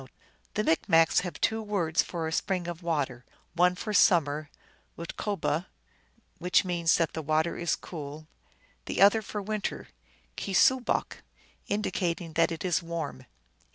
2 " The Micmacs have two words for a spring of water : one for summer, utkuboh, which means that the water is cool ; the other for winter, keesoobok, indicating that it is warm."